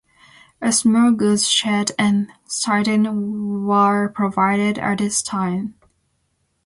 A small goods shed and siding were provided at this time.